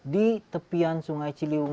di tepian sungai ciliwung